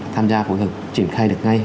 tham gia phối hợp triển khai được ngay